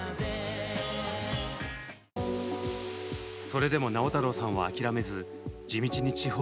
それでも直太朗さんは諦めず地道に地方を巡ります。